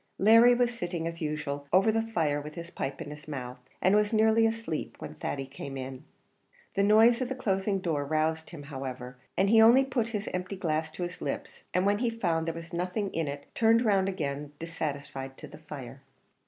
Larry was sitting, as usual, over the fire with his pipe in his mouth, and was nearly asleep, when Thady came in. The noise of the closing door roused him, however; but he only put his empty glass to his lips, and when he found there was nothing in it he turned round again dissatisfied to the fire.